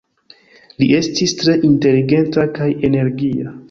Li estis tre inteligenta kaj energia.